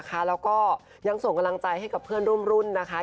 แล้วก็ยังส่งกำลังใจให้กับเพื่อนร่วมรุ่นนะคะ